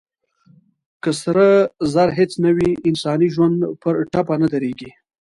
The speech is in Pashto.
که سره زر هېڅ نه وي، انساني ژوند پر ټپه نه درېږي.